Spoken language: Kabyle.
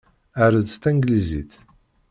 Err-d s tanglizit.